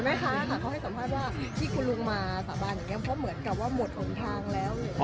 แม่ค้าค่ะเขาให้สัมภาษณ์ว่าที่คุณลุงมาสาบานอย่างนี้เพราะเหมือนกับว่าหมดหนทางแล้ว